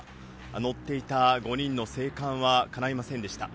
乗っていた５人の生還はかないませんでした。